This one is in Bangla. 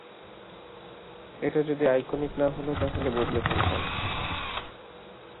এটা যদি আইকনিক না হলো তাহলে বদলে ফেলতাম।